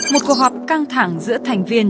một cuộc họp căng thẳng giữa thành viên